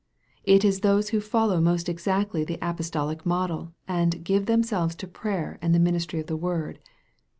It is those who follow most exactly the apostolic model, and " give themselves to prayer, and the ministry of the word."